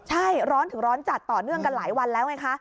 ใช่ร้อนถึงร้อนจัดต่อเนื่องกันหลายวันแล้วไงคะ